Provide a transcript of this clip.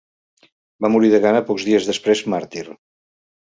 Va morir de gana pocs dies després, màrtir.